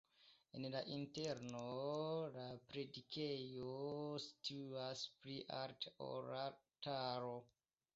En la interno la predikejo situas pli alte, ol la altaro.